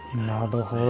なるほど。